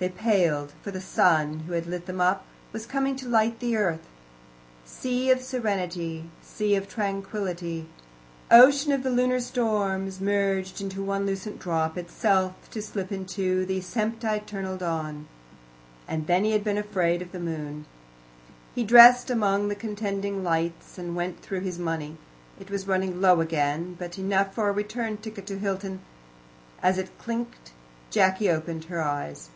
They paled, for the sun, who had lit them up, was coming to light the earth. Sea of Serenity, Sea of Tranquillity, Ocean of the Lunar Storms, merged into one lucent drop, itself to slip into the sempiternal dawn. And he had been afraid of the moon! He dressed among the contending lights, and went through his money. It was running low again, but enough for a return ticket to Hilton. As it clinked Jacky opened her eyes.